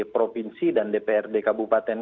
provinsi dan dprd kabupaten